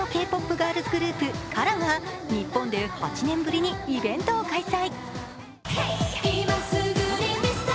ガールズグループＫＡＲＡが日本で８年ぶりにイベントを開催。